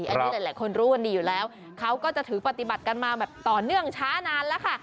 อันนี้หลายคนรู้กันดีอยู่แล้วเขาก็จะถือปฏิบัติกันมาแบบต่อเนื่องช้านานแล้วค่ะ